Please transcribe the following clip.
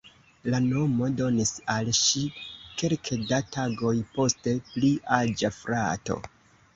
La nomon donis al ŝi kelke da tagoj poste pli aĝa frato.